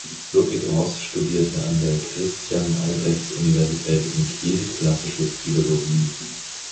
Ludwig Ross studierte an der Christian-Albrechts-Universität in Kiel Klassische Philologie.